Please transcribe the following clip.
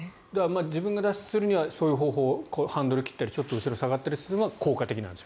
自分が脱出するにはこういう方法ハンドルを切ったりちょっと後ろに下がるのは効果的なんです。